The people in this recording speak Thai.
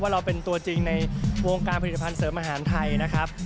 เราเป็นตัวจริงในวงการผลิตภัณฑ์เสริมอาหารไทยนะครับ